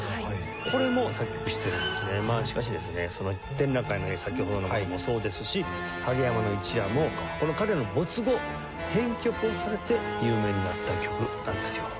『展覧会の絵』先ほどのものもそうですし『禿山の一夜』も彼の没後編曲をされて有名になった曲なんですよ。